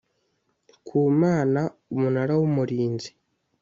ku Mana Umunara w Umurinzi